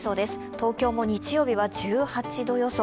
東京も日曜日は１８度予想。